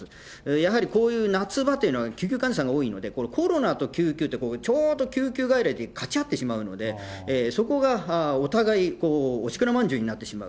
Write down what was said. やはりこういう夏場というのは救急患者さんが多いので、コロナと救急ってちょうど救急外来でかち合ってしまうので、そこがお互い、おしくらまんじゅうになってしまう。